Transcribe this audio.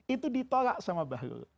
itu ditolak sama bahlul